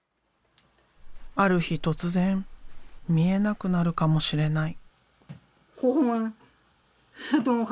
ある日突然見えなくなるかもしれない。